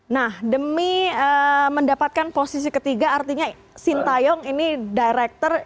nah demi mendapatkan posisi ketiga artinya sintayong ini director